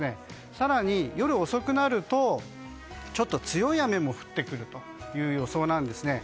更に夜遅くなるとちょっと強い雨も降ってくる予想なんですね。